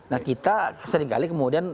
nah kita sering kali kemudian